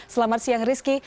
selamat siang rizky